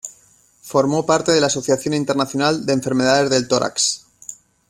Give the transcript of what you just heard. Formó parte de la Asociación Internacional de Enfermedades del Tórax.